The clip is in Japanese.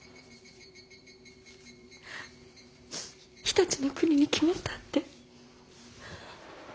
常陸国に決まったって。